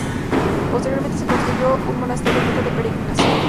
Posteriormente, se construyó un monasterio, meta de peregrinaciones.